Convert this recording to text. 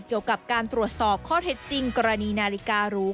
เกี่ยวกับการตรวจสอบข้อเท็จจริงกรณีนาฬิการู